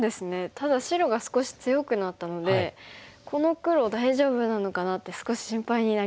ただ白が少し強くなったのでこの黒大丈夫なのかなって少し心配になりますよね。